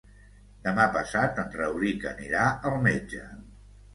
Demà passat en Rauric anirà al metge.